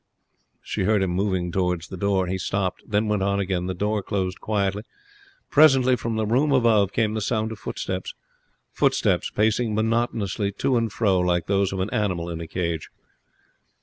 She heard him moving towards the door. He stopped, then went on again. The door closed quietly. Presently from the room above came the sound of footsteps footsteps pacing monotonously to and fro like those of an animal in a cage.